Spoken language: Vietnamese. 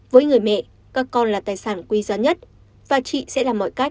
với người mẹ các con là tài sản quý giá nhất và chị sẽ làm mọi cách để có thể nuôi con khôn lớn